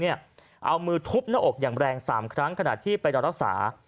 เอามือทุบหน้าอกอย่างแรง๓ครั้งขณะที่ไปนอนรักษา